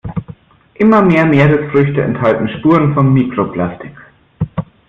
Immer mehr Meeresfrüchte enthalten Spuren von Mikroplastik.